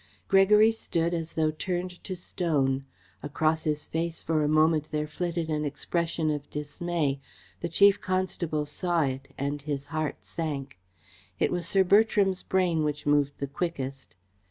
Gregory stood as though turned to stone. Across his face for a moment there flitted an expression of dismay. The Chief Constable saw it and his heart sank. It was Sir Bertram's brain which moved the quickest.